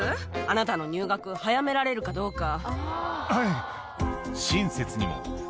あなたの入学、早められるかどうか。